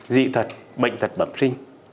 dị thật bệnh thật bẩm sinh